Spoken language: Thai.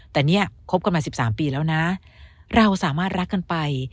แต่เนี่ยคบกันมา๑๓ปีแล้วนะเราสามารถรักกันไป